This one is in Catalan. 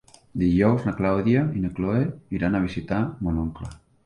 Dijous na Clàudia i na Cloè iran a visitar mon oncle.